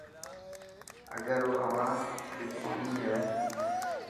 اگر او اوهان ري ڪوني هي.